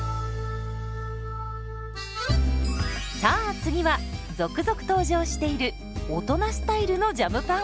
さあ次は続々登場している大人スタイルのジャムパン。